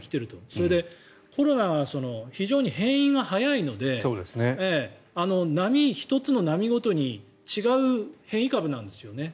それでコロナは非常に変異が早いので１つの波ごとに違う変異株なんですよね。